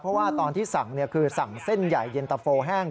เพราะว่าตอนที่สั่งคือสั่งเส้นใหญ่เย็นตะโฟแห้ง